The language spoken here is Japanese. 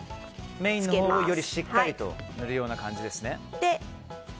メインのほうをよりしっかりと塗るような感じですね。